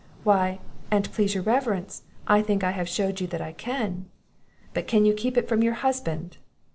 "Why, an't please your reverence, I think I have shewed you that I can." "But can you keep it from your husband?"